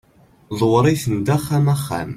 ḍewwer-iten-d axxam axxam